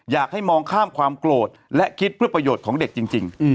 อยากให้มองข้ามความโกรธและคิดเพื่อประโยชน์ของเด็กจริง